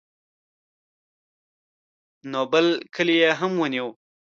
نو بل کلی یې هم ونیو.